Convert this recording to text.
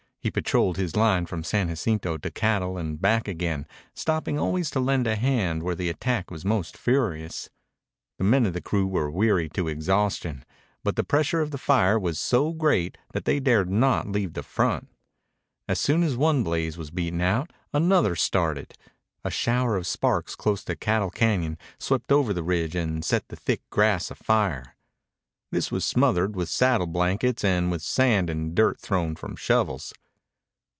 He patrolled his line from San Jacinto to Cattle and back again, stopping always to lend a hand where the attack was most furious. The men of his crew were weary to exhaustion, but the pressure of the fire was so great that they dared not leave the front. As soon as one blaze was beaten out, another started. A shower of sparks close to Cattle Cañon swept over the ridge and set the thick grass afire. This was smothered with saddle blankets and with sand and dirt thrown from shovels.